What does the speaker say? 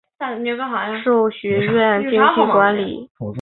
毕业于中央党校函授学院经济管理。